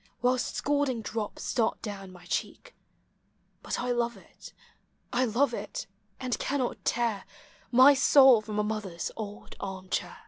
Whilst scalding drops start down my cheek ; Hut I love it, I love it, and cannot tear My soul from a mother's old arm chai